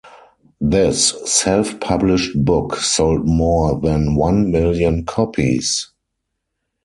This self-published book sold more than one million copies.